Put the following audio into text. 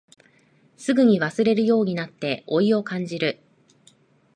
すぐに忘れるようになって老いを感じる